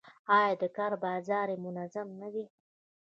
آیا د کار بازار یې منظم نه دی؟